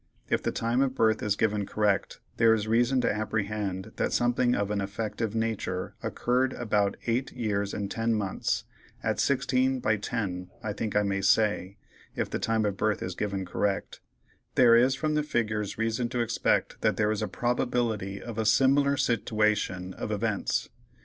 If the time of birth is given correct there is reason to apprehend that something of an affective nature occurred at about eight years and ten months—at 16 × 10 I think I may say, if the time of birth is given correct, there is from the figures reason to expect that there is a probability of a similar sitiwation of events.